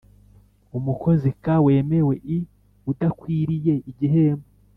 umukozik wemewe l udakwiriye igihembo